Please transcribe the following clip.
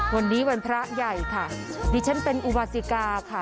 วันนี้วันพระใหญ่ค่ะดิฉันเป็นอุบาสิกาค่ะ